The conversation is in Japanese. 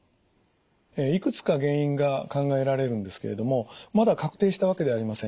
いくつか原因が考えられるんですけれどもまだ確定したわけではありません。